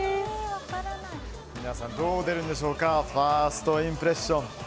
皆さんどう出るんでしょうかファーストインプレッション。